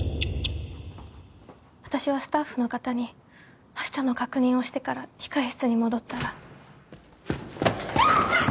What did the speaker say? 私はスタッフの方にあしたの確認をしてから控室に戻ったら。